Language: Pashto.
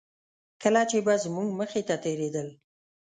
کله چې به زموږ مخې ته تېرېدل.